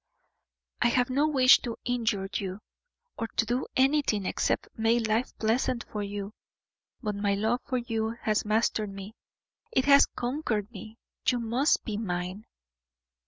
"I have no wish to injure you, or to do anything except make life pleasant for you; but my love for you has mastered me, it has conquered me. You must be mine!"